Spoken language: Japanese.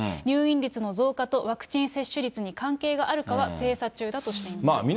入院率の増加とワクチン接種率に関係があるかは、精査中だとしています。